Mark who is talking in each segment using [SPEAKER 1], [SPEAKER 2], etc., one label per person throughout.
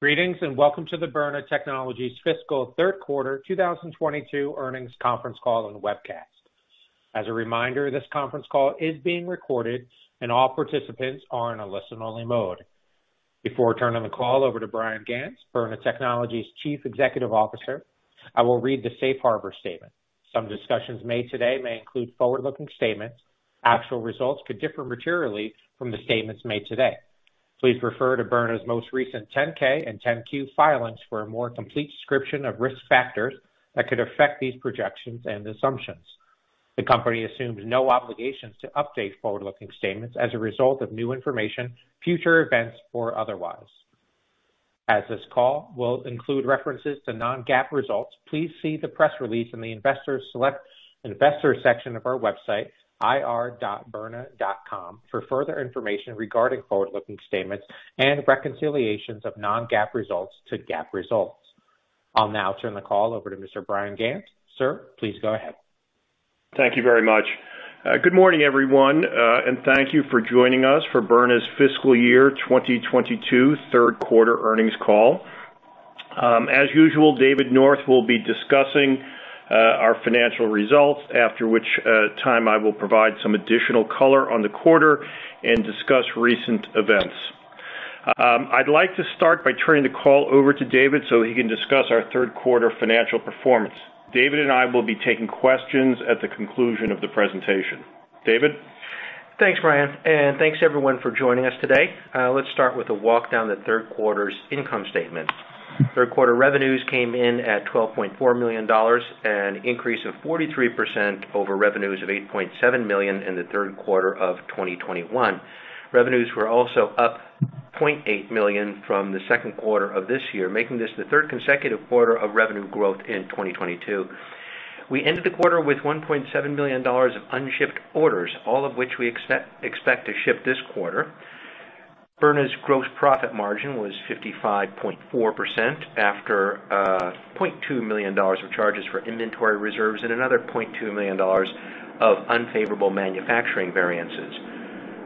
[SPEAKER 1] Greetings, and welcome to the Byrna Technologies fiscal third quarter 2022 earnings conference call and webcast. As a reminder, this conference call is being recorded and all participants are in a listen-only mode. Before turning the call over to Bryan Ganz, Byrna Technologies Chief Executive Officer, I will read the Safe Harbor statement. Some discussions made today may include forward-looking statements. Actual results could differ materially from the statements made today. Please refer to Byrna's most recent 10-K and 10-Q filings for a more complete description of risk factors that could affect these projections and assumptions. The company assumes no obligations to update forward-looking statements as a result of new information, future events, or otherwise. As this call will include references to non-GAAP results, please see the press release in the Investor section of our website, ir.byrna.com, for further information regarding forward-looking statements and reconciliations of non-GAAP results to GAAP results. I'll now turn the call over to Mr. Bryan Ganz. Sir, please go ahead.
[SPEAKER 2] Thank you very much. Good morning, everyone, and thank you for joining us for Byrna's fiscal year 2022 third quarter earnings call. As usual, David North will be discussing our financial results, after which time I will provide some additional color on the quarter and discuss recent events. I'd like to start by turning the call over to David so he can discuss our third quarter financial performance. David and I will be taking questions at the conclusion of the presentation. David?
[SPEAKER 3] Thanks, Bryan, and thanks everyone for joining us today. Let's start with a walk down the third quarter's income statement. Third quarter revenues came in at $12.4 million, an increase of 43% over revenues of $8.7 million in the third quarter of 2021. Revenues were also up $0.8 million from the second quarter of this year, making this the third consecutive quarter of revenue growth in 2022. We ended the quarter with $1.7 million of unshipped orders, all of which we expect to ship this quarter. Byrna's gross profit margin was 55.4% after $0.2 million of charges for inventory reserves and another $0.2 millions of unfavorable manufacturing variances.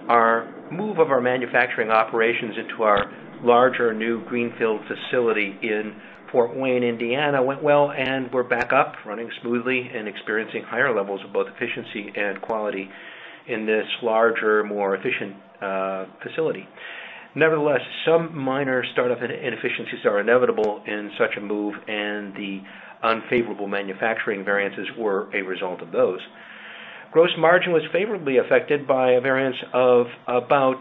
[SPEAKER 3] Our move of our manufacturing operations into our larger new greenfield facility in Fort Wayne, Indiana, went well, and we're back up, running smoothly and experiencing higher levels of both efficiency and quality in this larger, more efficient facility. Nevertheless, some minor startup inefficiencies are inevitable in such a move, and the unfavorable manufacturing variances were a result of those. Gross margin was favorably affected by a variance of about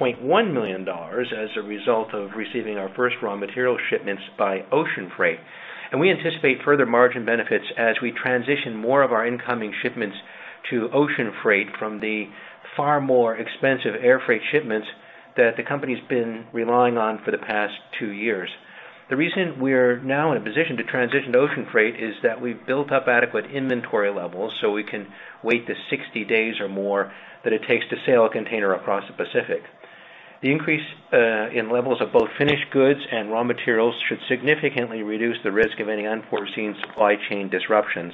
[SPEAKER 3] $0.1 million as a result of receiving our first raw material shipments by ocean freight. We anticipate further margin benefits as we transition more of our incoming shipments to ocean freight from the far more expensive air freight shipments that the company's been relying on for the past two years. The reason we're now in a position to transition to ocean freight is that we've built up adequate inventory levels, so we can wait the 60 days or more that it takes to sail a container across the Pacific. The increase in levels of both finished goods and raw materials should significantly reduce the risk of any unforeseen supply chain disruptions.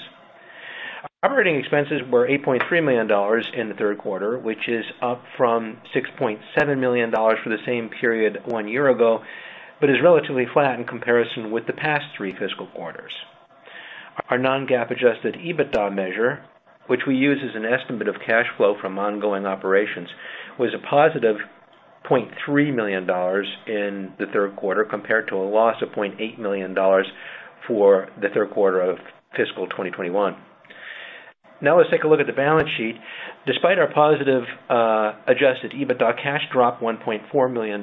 [SPEAKER 3] Operating expenses were $8.3 million in the third quarter, which is up from $6.7 million for the same period one year ago, but is relatively flat in comparison with the past three fiscal quarters. Our non-GAAP Adjusted EBITDA measure, which we use as an estimate of cash flow from ongoing operations, was a positive $0.3 million in the third quarter compared to a loss of $0.8 million for the third quarter of fiscal 2021. Now let's take a look at the balance sheet. Despite our positive adjusted EBITDA, cash dropped $1.4 million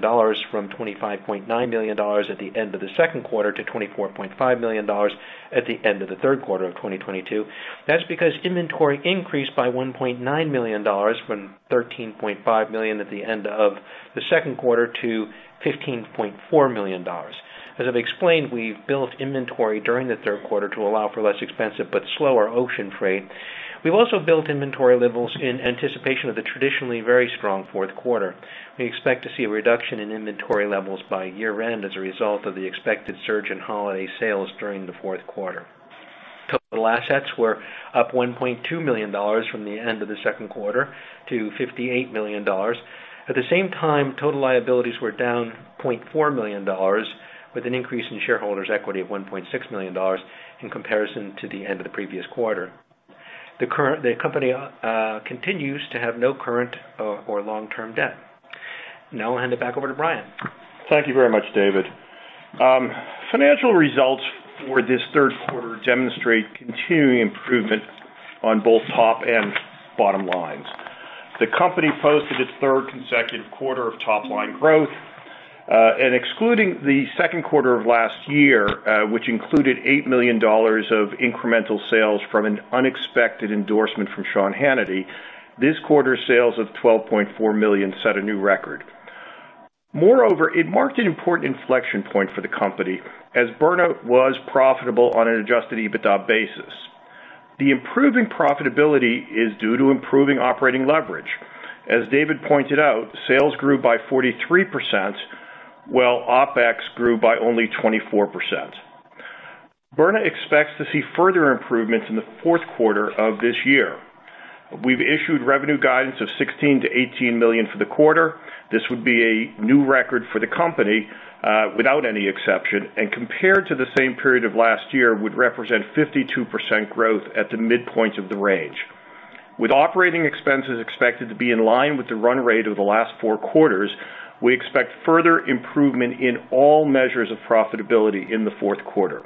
[SPEAKER 3] from $25.9 million at the end of the second quarter to $24.5 million at the end of the third quarter of 2022. That's because inventory increased by $1.9 million from $13.5 million at the end of the second quarter to $15.4 million. As I've explained, we've built inventory during the third quarter to allow for less expensive but slower ocean freight. We've also built inventory levels in anticipation of the traditionally very strong fourth quarter. We expect to see a reduction in inventory levels by year-end as a result of the expected surge in holiday sales during the fourth quarter. Total assets were up $1.2 million from the end of the second quarter to $58 million. At the same time, total liabilities were down $0.4 million, with an increase in shareholders' equity of $1.6 million in comparison to the end of the previous quarter. The company continues to have no current or long-term debt. Now I'll hand it back over to Bryan.
[SPEAKER 2] Thank you very much, David. Financial results for this third quarter demonstrate continuing improvement on both top and bottom lines. The company posted its third consecutive quarter of top line growth. Excluding the second quarter of last year, which included $8 million of incremental sales from an unexpected endorsement from Sean Hannity, this quarter's sales of $12.4 million set a new record. Moreover, it marked an important inflection point for the company as Byrna was profitable on an adjusted EBITDA basis. The improving profitability is due to improving operating leverage. As David pointed out, sales grew by 43%, while OpEx grew by only 24%. Byrna expects to see further improvements in the fourth quarter of this year. We've issued revenue guidance of $16 million-$18 million for the quarter. This would be a new record for the company, without any exception, and compared to the same period of last year, would represent 52% growth at the midpoint of the range. With operating expenses expected to be in line with the run rate over the last four quarters, we expect further improvement in all measures of profitability in the fourth quarter.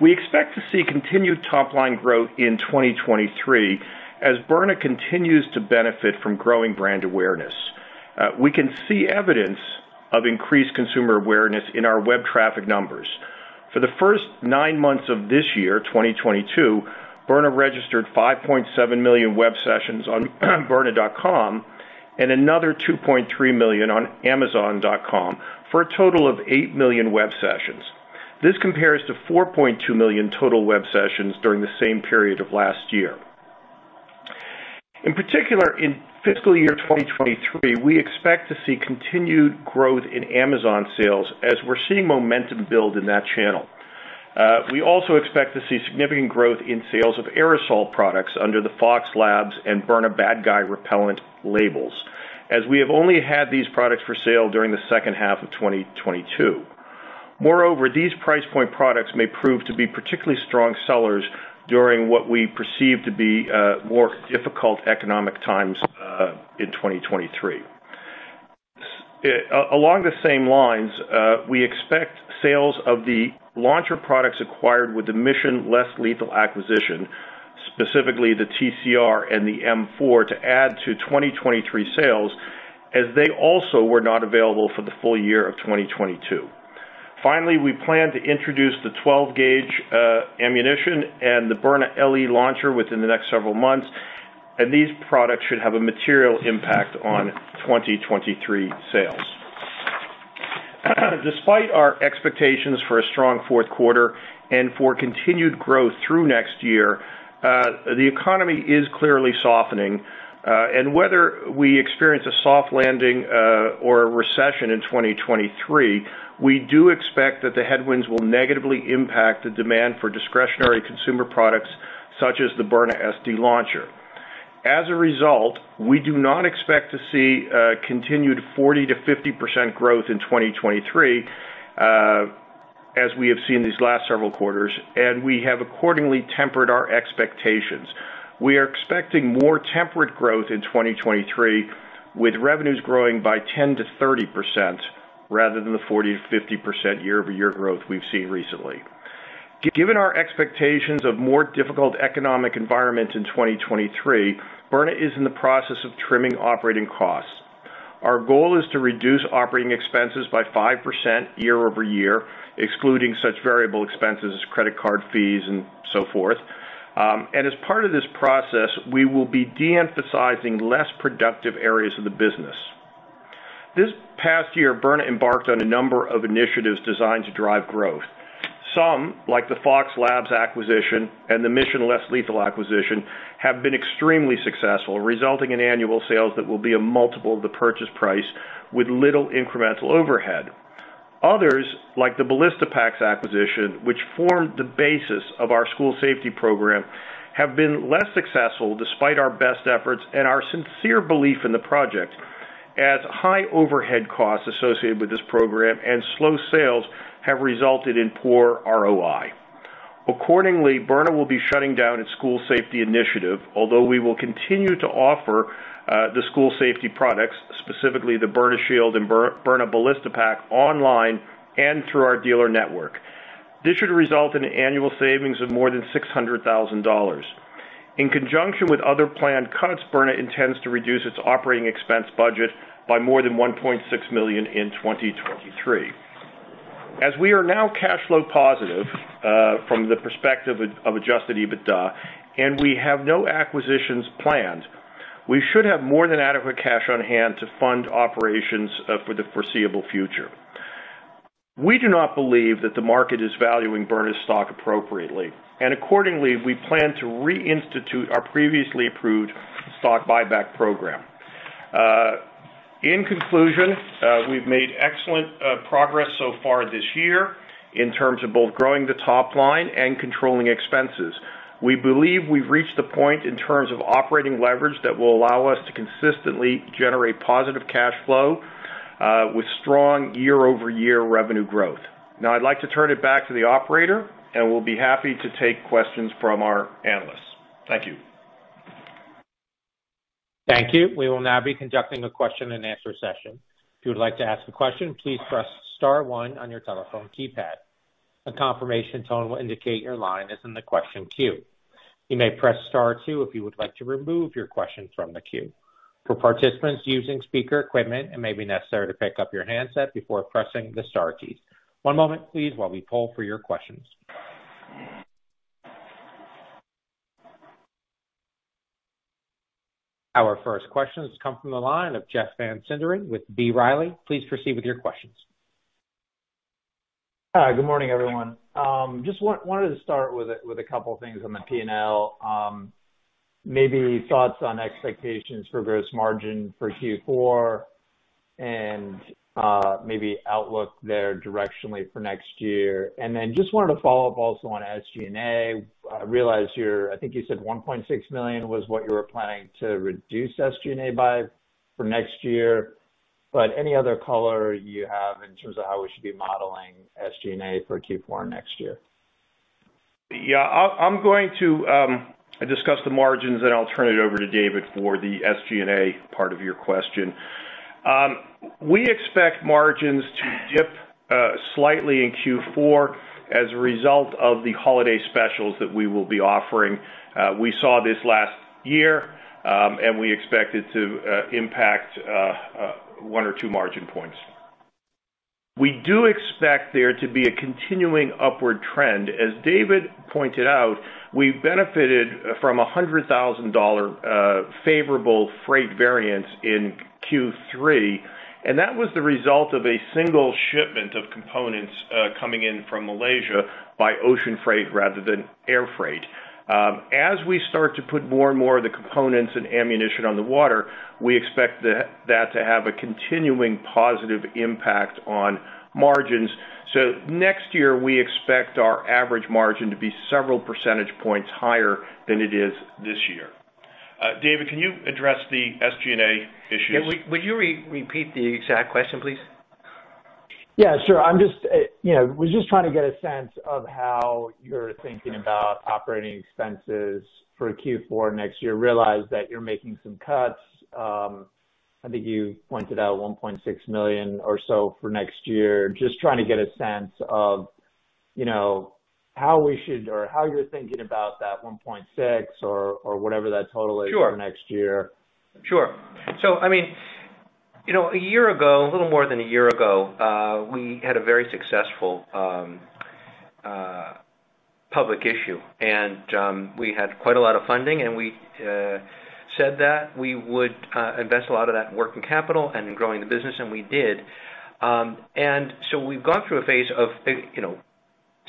[SPEAKER 2] We expect to see continued top-line growth in 2023 as Byrna continues to benefit from growing brand awareness. We can see evidence of increased consumer awareness in our web traffic numbers. For the first nine months of this year, 2022, Byrna registered 5.7 million web sessions on byrna.com and another 2.3 million on amazon.com, for a total of eight million web sessions. This compares to 4.2 million total web sessions during the same period of last year. In particular, in fiscal year 2023, we expect to see continued growth in Amazon sales as we're seeing momentum build in that channel. We also expect to see significant growth in sales of aerosol products under the Fox Labs and BYRNA BAD GUY REPELLENT labels, as we have only had these products for sale during the second half of 2022. Moreover, these price point products may prove to be particularly strong sellers during what we perceive to be more difficult economic times in 2023. Along the same lines, we expect sales of the launcher products acquired with the Mission Less Lethal acquisition, specifically the TCR and the M4, to add to 2023 sales, as they also were not available for the full year of 2022. Finally, we plan to introduce 12 Gauge ammunition and the Byrna LE launcher within the next several months, and these products should have a material impact on 2023 sales. Despite our expectations for a strong fourth quarter and for continued growth through next year, the economy is clearly softening, and whether we experience a soft landing or a recession in 2023, we do expect that the headwinds will negatively impact the demand for discretionary consumer products such as the Byrna SD launcher. As a result, we do not expect to see continued 40%-50% growth in 2023 as we have seen these last several quarters, and we have accordingly tempered our expectations. We are expecting more tempered growth in 2023, with revenues growing by 10%-30% rather than the 40%-50% year-over-year growth we've seen recently. Given our expectations of more difficult economic environment in 2023, Byrna is in the process of trimming operating costs. Our goal is to reduce operating expenses by 5% year-over-year, excluding such variable expenses as credit card fees and so forth. As part of this process, we will be de-emphasizing less productive areas of the business. This past year, Byrna embarked on a number of initiatives designed to drive growth. Some, like the Fox Labs acquisition and the Mission Less Lethal acquisition, have been extremely successful, resulting in annual sales that will be a multiple of the purchase price with little incremental overhead. Others, like the Ballistipac's acquisition, which formed the basis of our School Safety Program, have been less successful despite our best efforts and our sincere belief in the project, as high overhead costs associated with this program and slow sales have resulted in poor ROI. Accordingly, Byrna will be shutting down its School Safety initiative, although we will continue to offer the School Safety products, specifically the Byrna Shield and Byrna Ballistipac, online and through our dealer network. This should result in annual savings of more than $600,000. In conjunction with other planned cuts, Byrna intends to reduce its operating expense budget by more than $1.6 million in 2023. As we are now cash flow positive from the perspective of adjusted EBITDA, and we have no acquisitions planned, we should have more than adequate cash on hand to fund operations for the foreseeable future. We do not believe that the market is valuing Byrna's stock appropriately. Accordingly, we plan to reinstitute our previously approved stock buyback program. In conclusion, we've made excellent progress so far this year in terms of both growing the top line and controlling expenses. We believe we've reached the point in terms of operating leverage that will allow us to consistently generate positive cash flow with strong year-over-year revenue growth. Now I'd like to turn it back to the Operator, and we'll be happy to take questions from our analysts. Thank you.
[SPEAKER 1] Thank you. We will now be conducting a question-and-answer session. If you would like to ask a question, please press star one on your telephone keypad. A confirmation tone will indicate your line is in the question queue. You may press star two if you would like to remove your question from the queue. For participants using speaker equipment, it may be necessary to pick up your handset before pressing the star keys. One moment please while we poll for your questions. Our first question has come from the line of Jeff Van Sinderen with B. Riley. Please proceed with your questions.
[SPEAKER 4] Hi. Good morning, everyone. Just wanted to start with a couple things on the P&L. Maybe thoughts on expectations for gross margin for Q4? Maybe outlook there directionally for next year. Just wanted to follow up also on SG&A. I think you said $1.6 million was what you were planning to reduce SG&A by for next year. Any other color you have in terms of how we should be modeling SG&A for Q4 next year?
[SPEAKER 2] Yeah. I'm going to discuss the margins, and then I'll turn it over to David for the SG&A part of your question. We expect margins to dip slightly in Q4 as a result of the holiday specials that we will be offering. We saw this last year, and we expect it to impact one or two margin points. We do expect there to be a continuing upward trend. As David pointed out, we benefited from a $100,000 favorable freight variance in Q3, and that was the result of a single shipment of components coming in from Malaysia by ocean freight rather than air freight. As we start to put more and more of the components and ammunition on the water, we expect that to have a continuing positive impact on margins. Next year, we expect our average margin to be several percentage points higher than it is this year. David, can you address the SG&A issues?
[SPEAKER 3] Yeah. Would you repeat the exact question, please?
[SPEAKER 4] Yeah, sure. I'm just, you know, was just trying to get a sense of how you're thinking about operating expenses for Q4 next year. Realize that you're making some cuts. I think you pointed out $1.6 million or so for next year. Just trying to get a sense of, you know, how we should or how you're thinking about that $1.6 million or whatever that total is.
[SPEAKER 3] Sure
[SPEAKER 4] For next year.
[SPEAKER 3] Sure. I mean, you know, a year ago, a little more than a year ago, we had a very successful public issue, and we had quite a lot of funding and we said that we would invest a lot of that working capital in growing the business, and we did. We've gone through a phase of big, you know,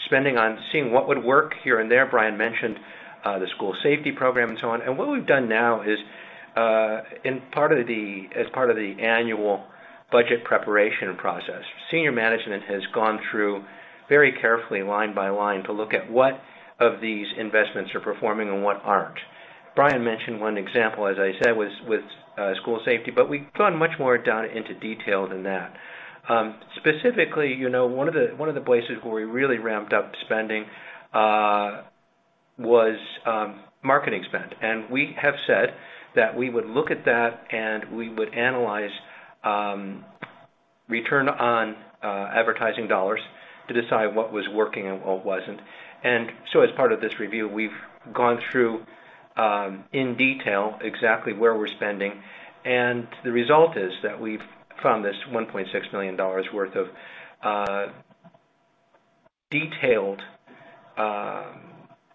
[SPEAKER 3] spending on seeing what would work here and there. Bryan mentioned the School Safety Program and so on. What we've done now is, as part of the annual budget preparation process, Senior Management has gone through very carefully line by line to look at what of these investments are performing and what aren't. Bryan mentioned one example, as I said, was with School Safety, but we've gone much more down into detail than that. Specifically, you know, one of the places where we really ramped up spending was marketing spend. We have said that we would look at that and we would analyze return on advertising dollars to decide what was working and what wasn't. As part of this review, we've gone through in detail exactly where we're spending. The result is that we've found this $1.6 million worth of detailed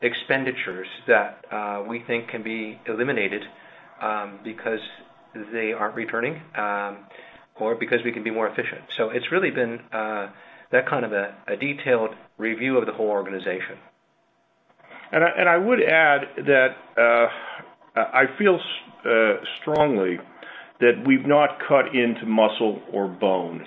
[SPEAKER 3] expenditures that we think can be eliminated because they aren't returning or because we can be more efficient. It's really been that kind of a detailed review of the whole organization.
[SPEAKER 2] I would add that I feel strongly that we've not cut into muscle or bone.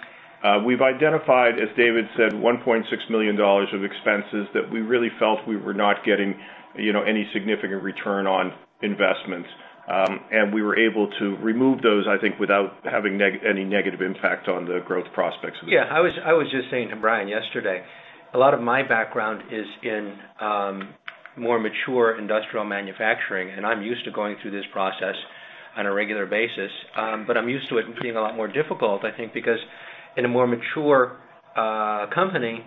[SPEAKER 2] We've identified, as David said, $1.6 million of expenses that we really felt we were not getting, you know, any significant return on investment. We were able to remove those, I think, without having any negative impact on the growth prospects of the company.
[SPEAKER 3] Yeah. I was just saying to Bryan yesterday, a lot of my background is in more mature industrial manufacturing, and I'm used to going through this process on a regular basis. But I'm used to it being a lot more difficult, I think, because in a more mature company,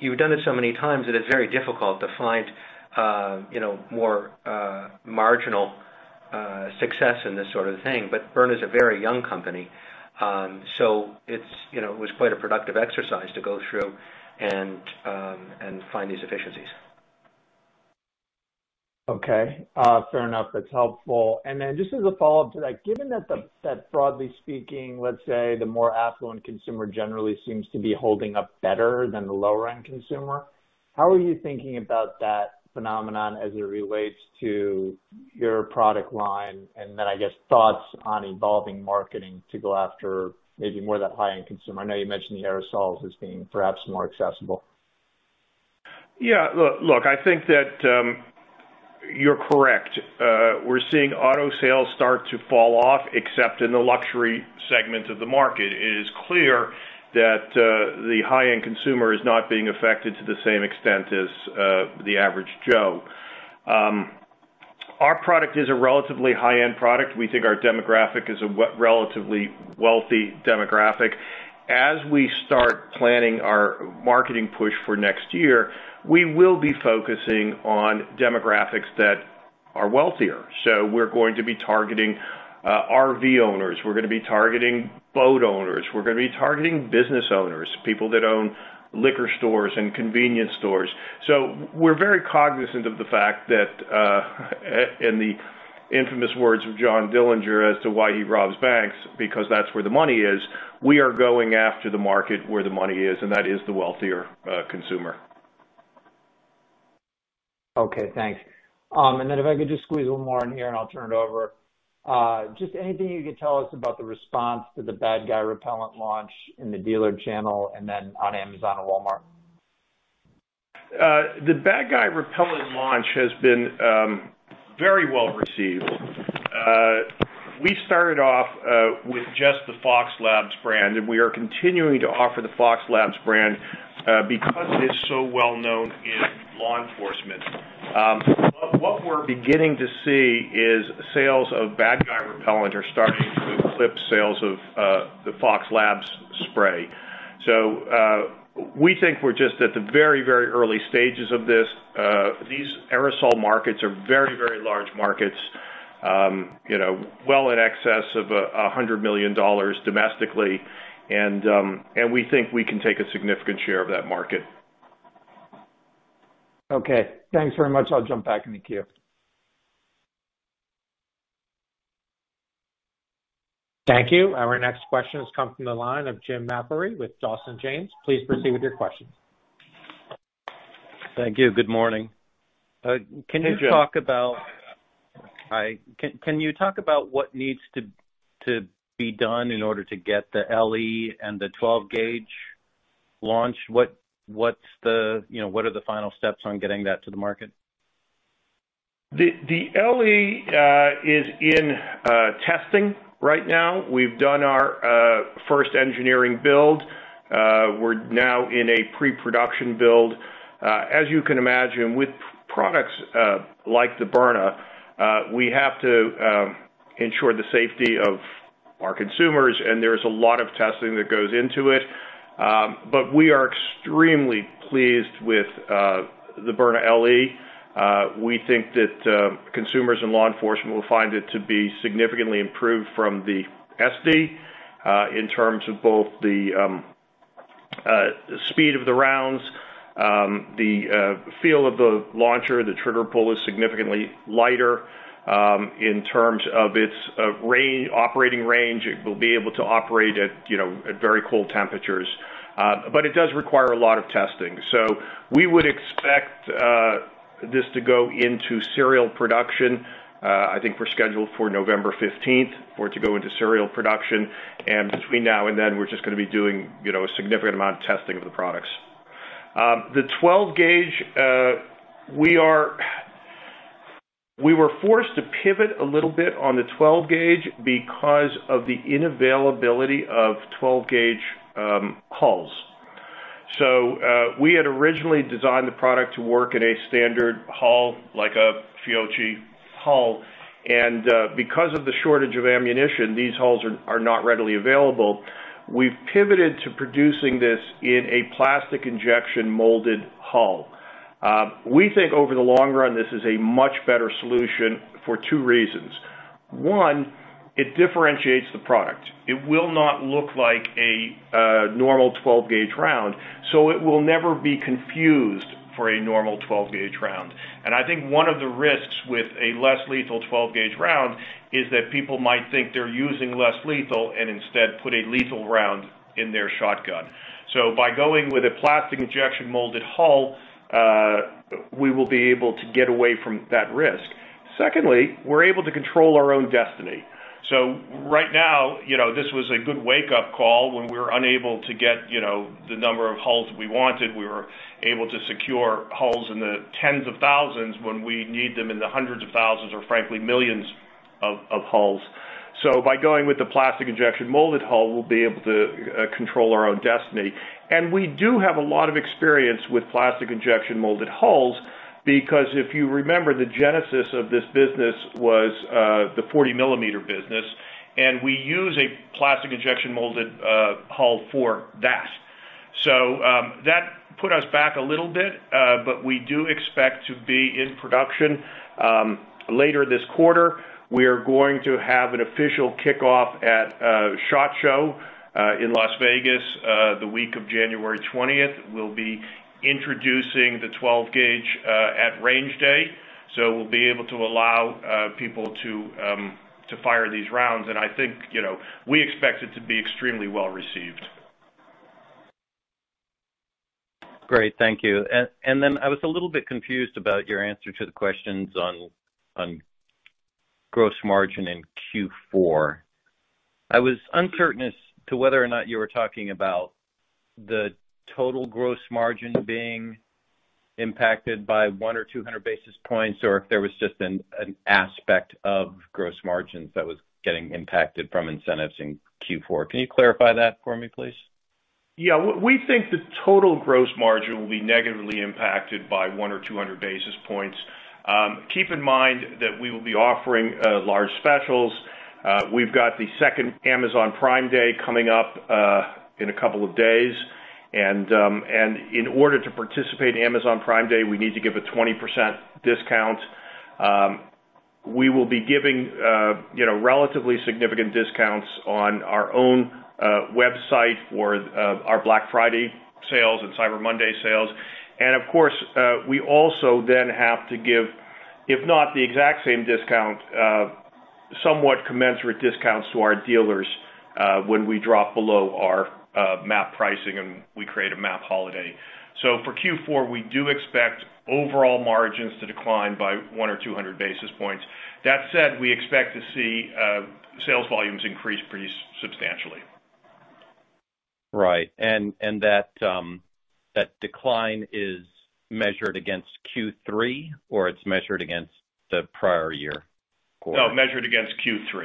[SPEAKER 3] you've done it so many times that it's very difficult to find you know, more marginal success in this sort of thing. Byrna is a very young company. It's you know, it was quite a productive exercise to go through and find these efficiencies.
[SPEAKER 4] Okay. Fair enough. That's helpful. Just as a follow-up to that, given that broadly speaking, let's say, the more affluent consumer generally seems to be holding up better than the lower-end consumer, how are you thinking about that phenomenon as it relates to your product line? I guess, thoughts on evolving marketing to go after maybe more of that high-end consumer. I know you mentioned the aerosols as being perhaps more accessible.
[SPEAKER 2] Yeah. Look, I think that, you're correct. We're seeing auto sales start to fall off, except in the luxury segment of the market. It is clear that, the high-end consumer is not being affected to the same extent as, the average Joe. Our product is a relatively high-end product. We think our demographic is a relatively wealthy demographic. As we start planning our marketing push for next year, we will be focusing on demographics that are wealthier. We're going to be targeting, RV owners. We're gonna be targeting boat owners. We're gonna be targeting business owners, people that own liquor stores and convenience stores. We're very cognizant of the fact that, in the infamous words of John Dillinger as to why he robs banks, because that's where the money is. We are going after the market where the money is, and that is the wealthier consumer.
[SPEAKER 4] Okay, thanks. If I could just squeeze one more in here, and I'll turn it over. Just anything you could tell us about the response to the BAD GUY REPELLENT launch in the dealer channel and then on Amazon and Walmart.
[SPEAKER 2] The BAD GUY REPELLENT launch has been very well received. We started off with just the Fox Labs brand, and we are continuing to offer the Fox Labs brand because it is so well known in law enforcement. What we're beginning to see is sales of BAD GUY REPELLENT are starting to eclipse sales of the Fox Labs spray. We think we're just at the very, very early stages of this. These aerosol markets are very, very large markets, you know, well in excess of $100 million domestically. We think we can take a significant share of that market.
[SPEAKER 4] Okay. Thanks very much. I'll jump back in the queue.
[SPEAKER 1] Thank you. Our next question has come from the line of Jim McIlree with Dawson James. Please proceed with your question.
[SPEAKER 5] Thank you. Good morning.
[SPEAKER 2] Hey, Jim.
[SPEAKER 5] Hi. Can you talk about what needs to be done in order to get the LE and the 12 Gauge launched? You know, what are the final steps on getting that to the market?
[SPEAKER 2] The LE is in testing right now. We've done our first engineering build. We're now in a pre-production build. As you can imagine, with products like the Byrna, we have to ensure the safety of our consumers, and there's a lot of testing that goes into it. We are extremely pleased with the Byrna LE. We think that consumers and law enforcement will find it to be significantly improved from the SD in terms of both the speed of the rounds, the feel of the launcher, the trigger pull is significantly lighter, in terms of its range, operating range. It will be able to operate at, you know, at very cold temperatures. It does require a lot of testing. We would expect this to go into serial production. I think we're scheduled for November 15th for it to go into serial production. Between now and then, we're just gonna be doing, you know, a significant amount of testing of the products. The 12 Gauge, we were forced to pivot a little bit on the 12 Gauge because of the unavailability of 12 Gauge hulls. We had originally designed the product to work in a standard hull, like a Fiocchi hull. Because of the shortage of ammunition, these hulls are not readily available. We've pivoted to producing this in a plastic injection molded hull. We think over the long run, this is a much better solution for two reasons. One, it differentiates the product. It will not look like a 12 Gauge Round, so it will never be confused 12 Gauge Round. I think one of the risks with a less 12 Gauge Round is that people might think they're using less-lethal and instead put a lethal round in their shotgun. By going with a plastic injection molded hull, we will be able to get away from that risk. Secondly, we're able to control our own destiny. Right now, you know, this was a good wake-up call when we were unable to get, you know, the number of hulls we wanted. We were able to secure hulls in the tens of thousands when we need them in the hundreds of thousands or frankly, millions of hulls. By going with the plastic injection molded hull, we'll be able to control our own destiny. We do have a lot of experience with plastic injection molded hulls, because if you remember, the genesis of this business was the 40mm business, and we use a plastic injection molded hull for that. That put us back a little bit, but we do expect to be in production later this quarter. We are going to have an official kickoff at SHOT Show in Las Vegas the week of January 20. We'll be introducing the 12 Gauge at Range Day, so we'll be able to allow people to fire these rounds. I think, you know, we expect it to be extremely well received.
[SPEAKER 5] Great. Thank you. I was a little bit confused about your answer to the questions on gross margin in Q4. I was uncertain as to whether or not you were talking about the total gross margin being impacted by 100 or 200 basis points, or if there was just an aspect of gross margins that was getting impacted from incentives in Q4. Can you clarify that for me, please?
[SPEAKER 2] Yeah. We think the total gross margin will be negatively impacted by 100-200 basis points. Keep in mind that we will be offering large specials. We've got the second Amazon Prime Day coming up in a couple of days. In order to participate in Amazon Prime Day, we need to give a 20% discount. We will be giving, you know, relatively significant discounts on our own website for our Black Friday sales and Cyber Monday sales. Of course, we also then have to give, if not the exact same discount, somewhat commensurate discounts to our dealers when we drop below our MAP pricing and we create a MAP holiday. For Q4, we do expect overall margins to decline by 100-200 basis points. That said, we expect to see sales volumes increase pretty substantially.
[SPEAKER 5] Right. That decline is measured against Q3, or it's measured against the prior year quarter?
[SPEAKER 2] No, measured against Q3.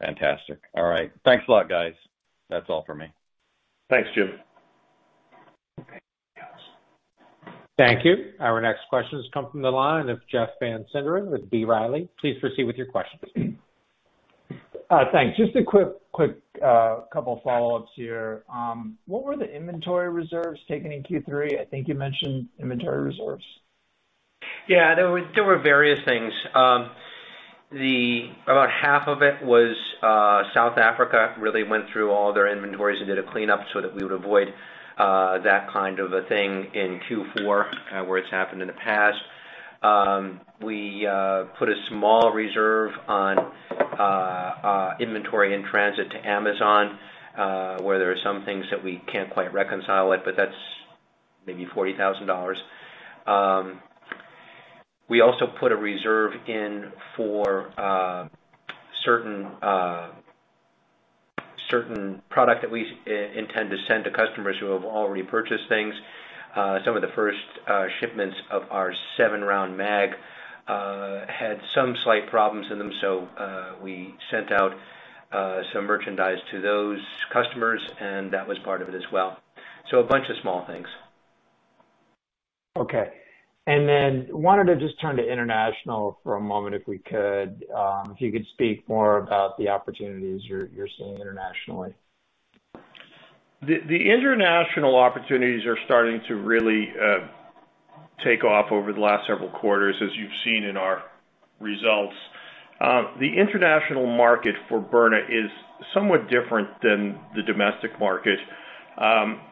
[SPEAKER 5] Fantastic. All right. Thanks a lot, guys. That's all for me.
[SPEAKER 2] Thanks, Jim.
[SPEAKER 1] Thank you. Our next question has come from the line of Jeff Van Sinderen with B. Riley. Please proceed with your questions.
[SPEAKER 4] Thanks. Just a quick couple follow-ups here. What were the inventory reserves taken in Q3? I think you mentioned inventory reserves.
[SPEAKER 3] There were various things. About half of it was South Africa really went through all their inventories and did a cleanup so that we would avoid that kind of a thing in Q4, where it's happened in the past. We put a small reserve on inventory in transit to Amazon, where there are some things that we can't quite reconcile with, but that's maybe $40,000. We also put a reserve in for certain product that we intend to send to customers who have already purchased things. Some of the first shipments of our 7-Round Mag had some slight problems in them, so we sent out some merchandise to those customers, and that was part of it as well. A bunch of small things.
[SPEAKER 4] Okay. Wanted to just turn to international for a moment, if we could. If you could speak more about the opportunities you're seeing internationally.
[SPEAKER 2] The international opportunities are starting to really take off over the last several quarters, as you've seen in our results. The international market for Byrna is somewhat different than the domestic market.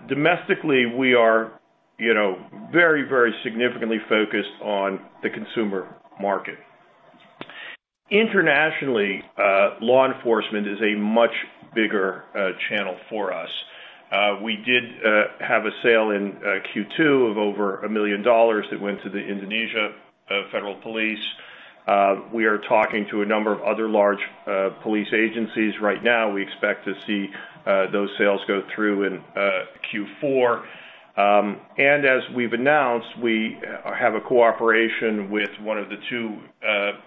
[SPEAKER 2] Domestically, we are, you know, very significantly focused on the consumer market. Internationally, law enforcement is a much bigger channel for us. We did have a sale in Q2 of over $1 million that went to the Indonesian federal police. We are talking to a number of other large police agencies right now. We expect to see those sales go through in Q4. As we've announced, we have a cooperation with one of the two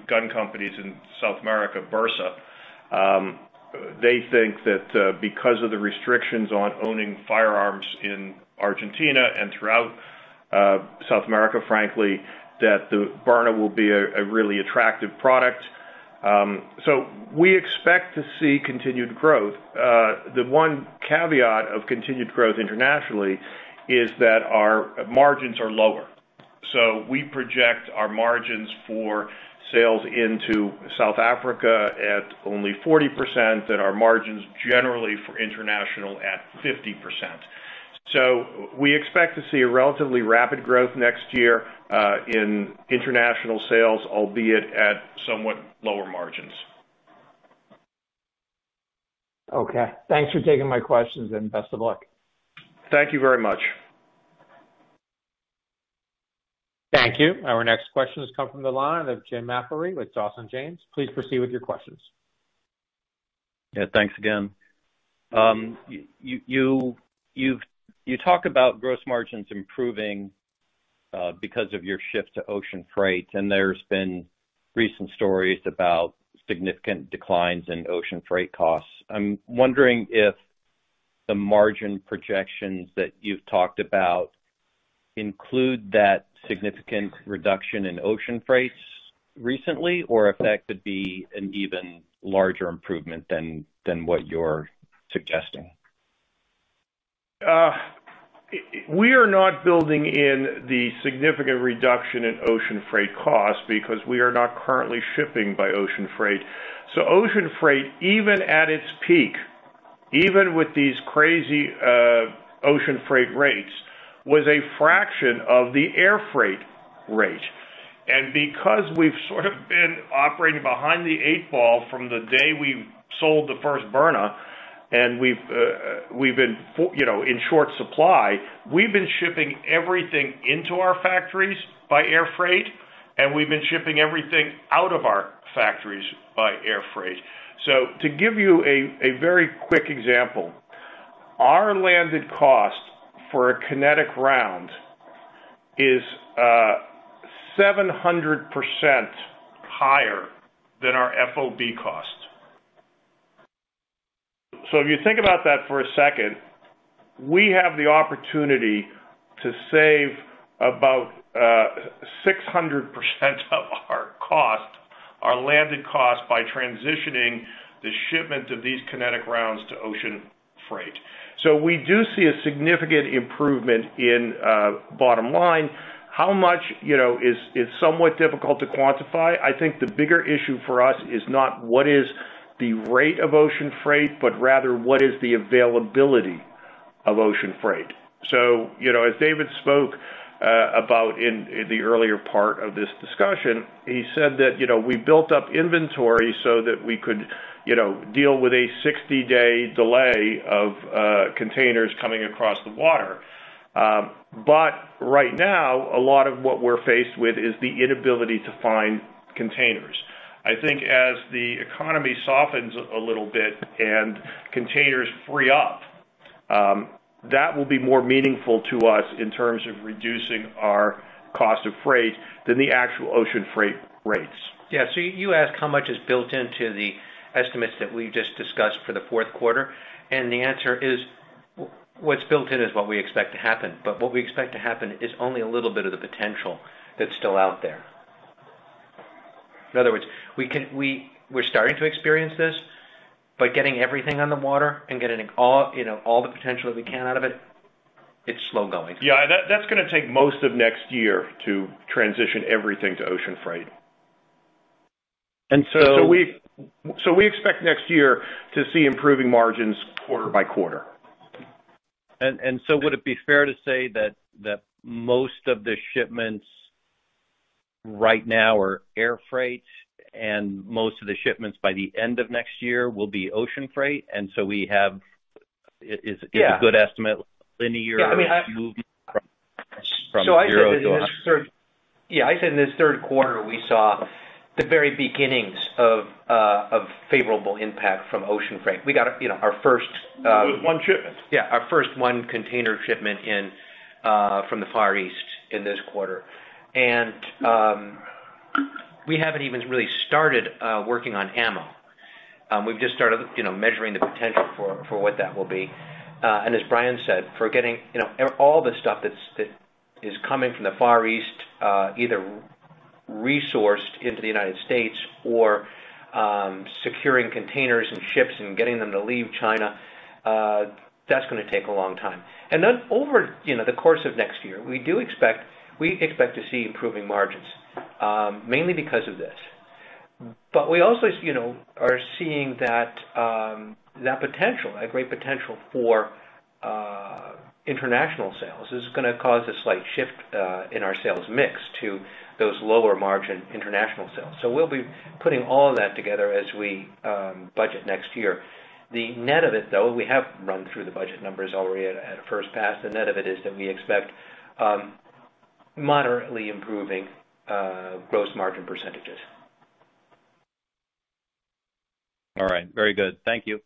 [SPEAKER 2] gun companies in South America, Bersa. They think that because of the restrictions on owning firearms in Argentina and throughout South America, frankly, that the Byrna will be a really attractive product. We expect to see continued growth. The one caveat of continued growth internationally is that our margins are lower. We project our margins for sales into South Africa at only 40% and our margins generally for international at 50%. We expect to see a relatively rapid growth next year in international sales, albeit at somewhat lower margins.
[SPEAKER 4] Okay. Thanks for taking my questions and best of luck.
[SPEAKER 2] Thank you very much.
[SPEAKER 1] Thank you. Our next question has come from the line of Jim McIlree with Dawson James. Please proceed with your questions.
[SPEAKER 5] Yeah. Thanks again. You talk about gross margins improving because of your shift to ocean freight, and there's been recent stories about significant declines in ocean freight costs. I'm wondering if the margin projections that you've talked about include that significant reduction in ocean freights recently, or if that could be an even larger improvement than what you're suggesting.
[SPEAKER 2] We are not building in the significant reduction in ocean freight costs because we are not currently shipping by ocean freight. Ocean freight, even at its peak, even with these crazy ocean freight rates, was a fraction of the air freight rate. Because we've sort of been operating behind the eight ball from the day we sold the first Byrna, and we've, you know, been in short supply, we've been shipping everything into our factories by air freight, and we've been shipping everything out of our factories by air freight. To give you a very quick example, our landed cost for a kinetic round is 700% higher than our FOB cost. If you think about that for a second, we have the opportunity to save about 600% of our cost, our landed cost, by transitioning the shipment of these kinetic rounds to ocean freight. We do see a significant improvement in bottom line. How much? You know, is somewhat difficult to quantify. I think the bigger issue for us is not what is the rate of ocean freight, but rather what is the availability of ocean freight. You know, as David spoke about in the earlier part of this discussion, he said that, you know, we built up inventory so that we could, you know, deal with a 60-day delay of containers coming across the water. Right now, a lot of what we're faced with is the inability to find containers. I think as the economy softens a little bit and containers free up, that will be more meaningful to us in terms of reducing our cost of freight than the actual ocean freight rates.
[SPEAKER 3] Yeah. You asked how much is built into the estimates that we just discussed for the fourth quarter, and the answer is, what's built in is what we expect to happen. What we expect to happen is only a little bit of the potential that's still out there. In other words, we're starting to experience this, but getting everything on the water and getting all, you know, all the potential that we can out of it, it's slow going.
[SPEAKER 2] Yeah. That's gonna take most of next year to transition everything to ocean freight.
[SPEAKER 5] And so-
[SPEAKER 2] We expect next year to see improving margins quarter by quarter.
[SPEAKER 5] Would it be fair to say that most of the shipments right now are air freight and most of the shipments by the end of next year will be ocean freight? Is a good estimate linear or moving from zero to 100?
[SPEAKER 3] Yeah. I said in this third quarter, we saw the very beginnings of favorable impact from ocean freight. We got, you know, our first,
[SPEAKER 2] One shipment.
[SPEAKER 3] Yeah. Our first container shipment in from the Far East in this quarter. We haven't even really started working on ammo. We've just started, you know, measuring the potential for what that will be. As Bryan said, forgetting, you know, all the stuff that's that is coming from the Far East, either resourced into the United States or securing containers and ships and getting them to leave China, that's gonna take a long time. Then over, you know, the course of next year, we expect to see improving margins, mainly because of this. But we also, you know, are seeing that potential, a great potential for international sales is gonna cause a slight shift in our sales mix to those lower margin international sales. We'll be putting all of that together as we budget next year. The net of it, though, we have run through the budget numbers already at a first pass. The net of it is that we expect moderately improving gross margin percentages.
[SPEAKER 5] All right. Very good. Thank you.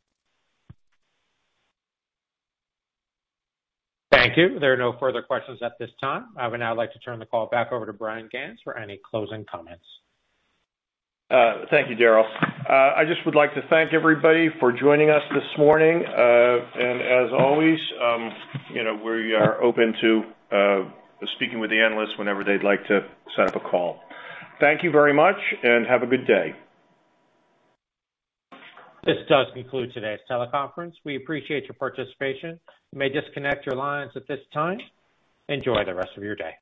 [SPEAKER 1] Thank you. There are no further questions at this time. I would now like to turn the call back over to Bryan Ganz for any closing comments.
[SPEAKER 2] Thank you, Daryl. I just would like to thank everybody for joining us this morning. As always, you know, we are open to speaking with the analysts whenever they'd like to set up a call. Thank you very much and have a good day.
[SPEAKER 1] This does conclude today's teleconference. We appreciate your participation. You may disconnect your lines at this time. Enjoy the rest of your day.